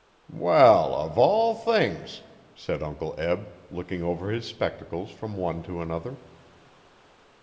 'Wall, of all things!' said Uncle Eb, looking over his spectacles from one to another.